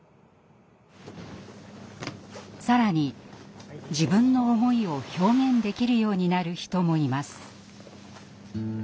更に自分の思いを表現できるようになる人もいます。